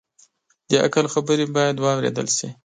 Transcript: د عقل خبرې باید واورېدل شي